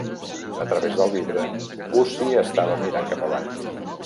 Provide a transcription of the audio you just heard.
A través del vidre, Gussie estava mirant cap avall.